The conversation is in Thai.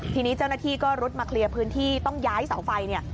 ทีนี้เจ้าหน้าที่ก็รุดมาเคลียร์พื้นที่ต้องย้ายเสาไฟเนี่ย